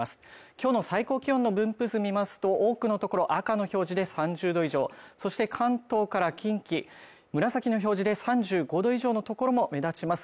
今日の最高気温の分布図見ますと多くの所赤の表示で３０度以上そして関東から近畿、紫の表示で３５度以上の所も目立ちます